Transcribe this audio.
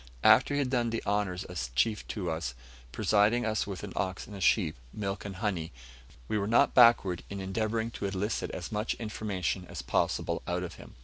After he had done the honours as chief to us presented us with an ox and a sheep, milk and honey we were not backward in endeavouring to elicit as much information as possible out of him.